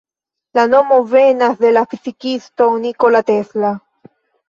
La nomo venas de la fizikisto Nikola Tesla.